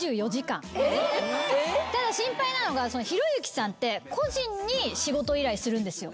ただ心配なのがひろゆきさんって個人に仕事依頼するんですよ。